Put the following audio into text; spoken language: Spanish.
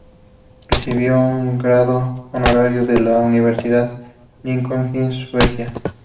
Recibió un grado honorario de la Universidad Linköping, Suecia.